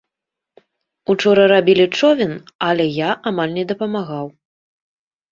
Учора рабілі човен, але я амаль не дапамагаў.